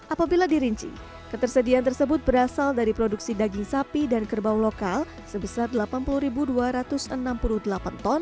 apabila dirinci ketersediaan tersebut berasal dari produksi daging sapi dan kerbau lokal sebesar delapan puluh dua ratus enam puluh delapan ton